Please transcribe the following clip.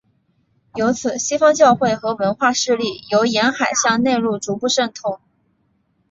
由此西方教会和文化势力由沿海向内陆逐步渗透。